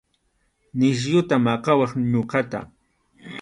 Nisyuta maqawaq ñuqata.